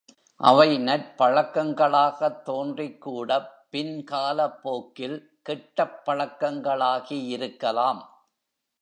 அவை நற்பழக்கங் களாகத் தோன்றிக்கூடப் பின் காலப் போக்கில் கெட்டப் பழக்கங்களாகியிருக்கலாம்.